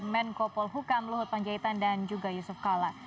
menko polhukam luhut panjaitan dan juga yusuf kala